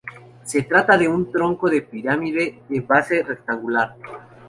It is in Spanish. Se trata de un tronco de pirámide de base rectangular.